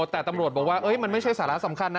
แต่ตำรวจบอกว่ามันไม่ใช่สาระสำคัญนะ